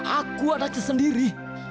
aku ada sendiri